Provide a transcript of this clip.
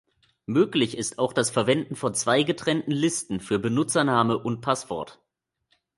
Möglich ist auch das Verwenden von zwei getrennten Listen für Benutzername und Passwort.